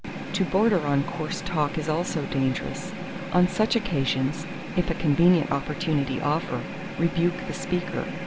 To border on coarse talk is also dangerous. On such occasions, if a convenient opportunity offer, rebuke the speaker.